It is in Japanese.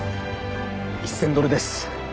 １，０００ドルです。